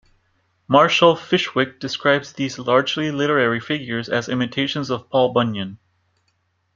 Marshall Fishwick describes these largely literary figures as imitations of Paul Bunyan.